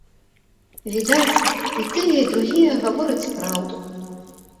Відаць, і тыя і другія гавораць праўду.